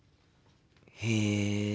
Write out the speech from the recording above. へえ。